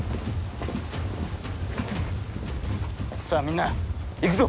さあみんな行くぞ！